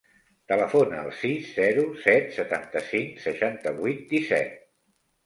Telefona al sis, zero, set, setanta-cinc, seixanta-vuit, disset.